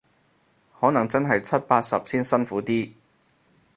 可能真係七八十先辛苦啲